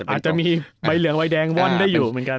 อาจจะมีใบเหลืองใบแดงว่อนได้อยู่เหมือนกัน